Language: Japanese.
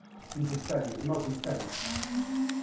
ミスしたりうまくいったり。